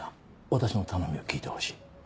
私の頼みを聞いてほしい。